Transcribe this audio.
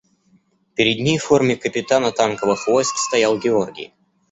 Перед ней в форме капитана танковых войск стоял Георгий.